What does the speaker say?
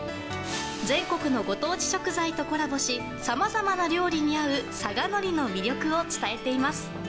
全国のご当地食材とコラボしさまざまな料理に合う佐賀海苔の魅力を伝えています。